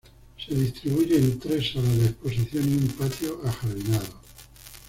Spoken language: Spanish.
Se distribuye en tres salas de exposición y un patio ajardinado.